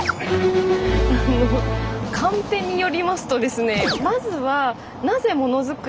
カンペによりますとですね